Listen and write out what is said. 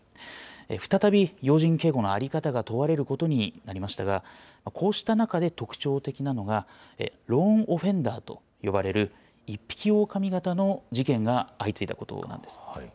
再び要人警護の在り方が問われることになりましたが、こうした中で特徴的なのが、ローン・オフェンダーと呼ばれる一匹狼型の事件が相次いだことなんです。